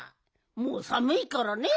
もうさむいからね。